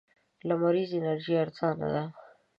لمريزه انرژي ارزانه ده.